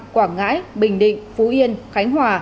quảng ngãi bình định phú yên khánh hòa